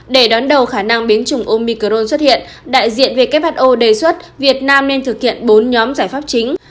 để đón đầu khả năng biến chủng omicron xuất hiện đại diện who đề xuất việt nam nên thực hiện bốn nhóm giải pháp chính